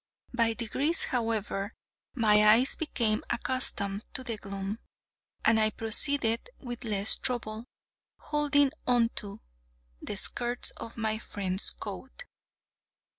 By degrees, however, my eyes became accustomed to the gloom, and I proceeded with less trouble, holding on to the skirts of my friend's coat.